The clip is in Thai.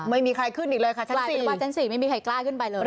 ไม่มีใครขึ้นอีกเลยค่ะชั้น๔ชั้น๔ไม่มีใครกล้าขึ้นไปเลย